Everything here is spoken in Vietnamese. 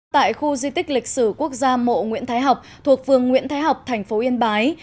tại khu di tích lịch sử quốc gia mộ nguyễn thái học thuộc phường nguyễn thái học thành phố yên bái